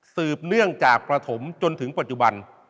สืบเนื่องจากประถมจนถึงปัจจุบัน